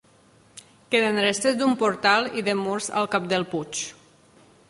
Queden restes d'un portal i de murs al cap del puig.